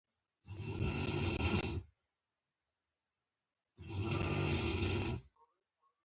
دا سیمه د دې ولسوالۍ ترټولو لوړه سیمه ده